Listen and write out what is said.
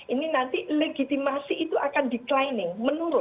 ini nanti legitimasi itu akan declining menurun